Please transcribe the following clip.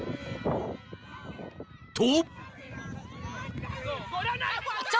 ［と］